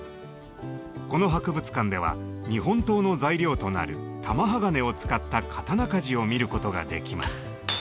この博物館では日本刀の材料となる「玉鋼」を使った刀鍛冶を見ることができます。